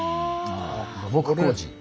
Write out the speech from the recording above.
土木工事。